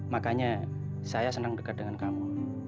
makanya saya senang dekat dengan kamu